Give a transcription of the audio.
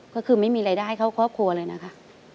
ก็คือไม่มีรายได้เข้าครอบครัวเลยนะคะ